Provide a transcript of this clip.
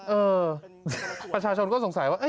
เออประชาชนก็สงสัยว่า